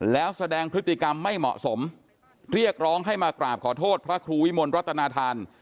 แล้วแสดงพฤติกรรมไม่เหมาะสมเรียกร้องให้มากราบขอโทษพระครูวิมลรัตนาธาน